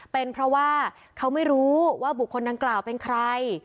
เป็นเพราะว่าเขาไม่รู้ว่าบุคคลดังกล่าวเป็นใคร